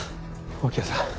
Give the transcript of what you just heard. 脇谷さん。